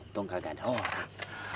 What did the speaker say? untung gak ada orang